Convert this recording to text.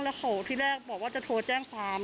แล้วเขาที่แรกบอกว่าจะโทรแจ้งความ